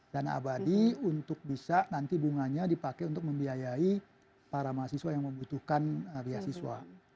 dana abadi untuk bisa nanti bunganya dipakai untuk membiayai para mahasiswa yang membutuhkan biaya siswa